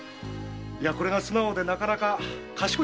いやこれが素直でなかなか賢い子でな。